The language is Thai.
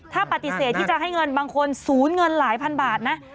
ถ้าปฏิเสธที่จะให้เงินบางคนศูนย์เงินหลายพันบาทนะ